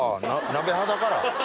鍋肌から。